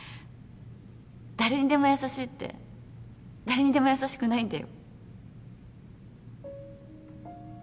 誰にでも優しいって誰にでも優しくないんだよ